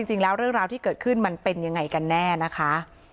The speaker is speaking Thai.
จริงแล้วเรื่องราวที่เกิดขึ้นมันเป็นยังไงกันแน่นะคะ